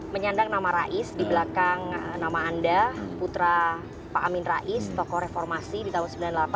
menyandang nama rais di belakang nama anda putra pak amin rais tokoh reformasi di tahun seribu sembilan ratus sembilan puluh delapan